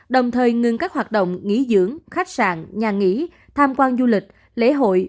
đồng thời ngừng các hoạt động nghỉ dưỡng khách sạn nhà nghỉ tham quan du lịch lễ hội